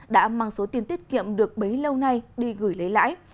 đã mang số tiền tiết kiệm được bấy lâu nay đi gửi lấy lãi